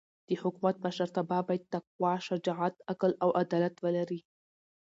د حکومت مشرتابه باید تقوا، شجاعت، عقل او عدالت ولري.